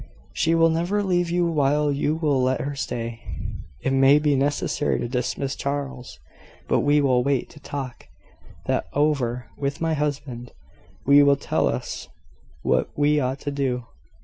"She will never leave you while you will let her stay." "It may be necessary to dismiss Charles. But we will wait to talk that over with my husband. He will tell us what we ought to do.